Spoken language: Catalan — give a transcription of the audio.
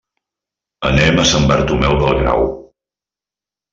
Anem a Sant Bartomeu del Grau.